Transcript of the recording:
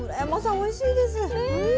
おいしいです。ね。